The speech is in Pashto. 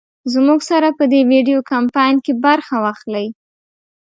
زمونږ سره په دې وېډيو کمپين کې برخه واخلۍ